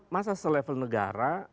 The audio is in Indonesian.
karena masa selevel negara